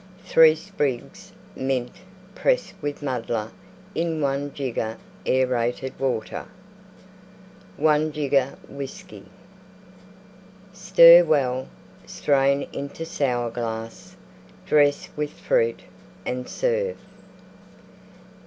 3 sprigs Mint pressed with muddler in 1 jigger aerated Water. 1 jigger Whiskey. Stir well; strain into Sour glass; dress with Fruit and serve.